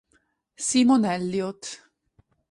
Simon Elliott